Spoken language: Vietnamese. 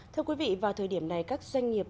thưa quý vị vào thời điểm này các doanh nghiệp